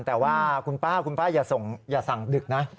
แต่ว่าคุณป้าคุณป้าอย่าสั่งดึกนะ